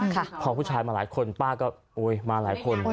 พอผู้ชายมาหลายคนป้าก็โอ๊ยมาหลายคน